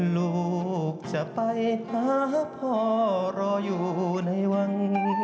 ลูกจะไปหาพ่อรออยู่ในวัง